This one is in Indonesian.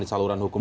di saluran hukum